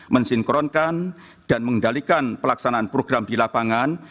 mensinkronkan dan mengendalikan pelaksanaan program di lapangan